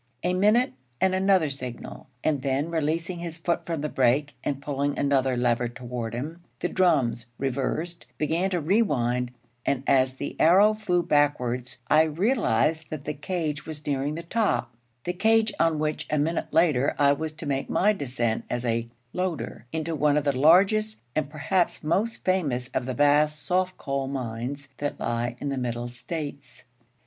A minute, and another signal; and then, releasing his foot from the brake, and pulling another lever toward him, the drums, reversed, began to rewind; and as the arrow flew backwards, I realized that the cage was nearing the top the cage on which a minute later I was to make my descent as a 'loader' into one of the largest, and perhaps most famous, of the vast soft coal mines that lie in our Middle States.